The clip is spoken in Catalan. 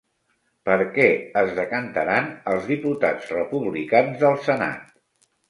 Per què es decantaran els diputats republicans del senat?